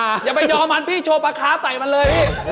อย่าไปยอมมันพี่โชว์ปลาค้าใส่มันเลยพี่